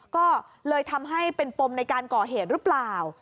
ก็เลยทำให้เป็นปมในการก่อเหตุหรือเปล่า